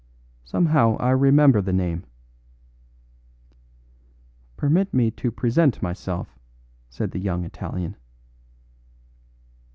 "Somehow I remember the name." "Permit me to present myself," said the young Italian.